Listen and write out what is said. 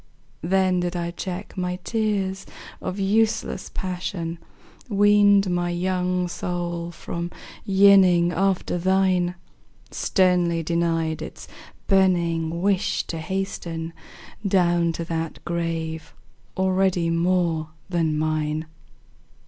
Then did I check my tears of useless passion, Weaned my young soul from yearning after thine, Sternly denied its burning wish to hasten Down to that grave already more than mine!